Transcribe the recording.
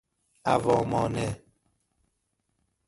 عوامانه